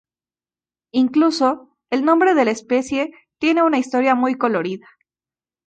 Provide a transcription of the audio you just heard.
Incluso, el nombre de la especie tiene una historia muy colorida.